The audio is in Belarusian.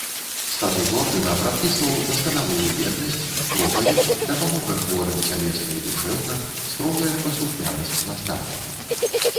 Статут ордэна прадпісваў дасканалую беднасць, пропаведзь, дапамога хворым цялесна і душэўна, строгае паслухмянасць настаўніку.